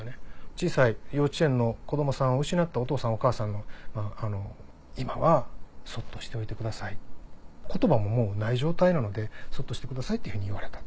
小さい幼稚園の子供さんを失ったお父さんお母さんの「今はそっとしておいてください。言葉ももうない状態なのでそっとしてください」っていうふうに言われた。